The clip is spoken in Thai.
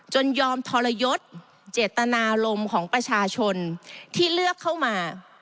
ยอมทรยศเจตนารมณ์ของประชาชนที่เลือกเข้ามา